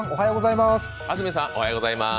安住さん、おはようございます。